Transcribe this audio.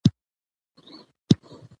د بېلګې په ټوګه سبک پېژندنې